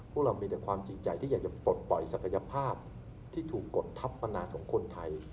พวกเรามีแต่ความจริงใจที่อยากจะปลดปล่อยศักยภาพที่ถูกกดทัพมานานของคนไทย